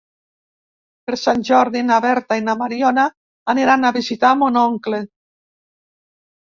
Per Sant Jordi na Berta i na Mariona aniran a visitar mon oncle.